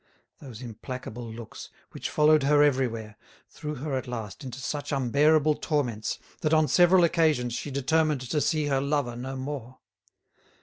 Those implacable looks, which followed her everywhere, threw her at last into such unbearable torments that on several occasions she determined to see her lover no more.